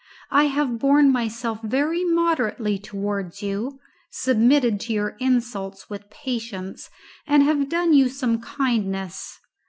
I have borne myself very moderately towards you, submitted to your insults with patience, and have done you some kindness.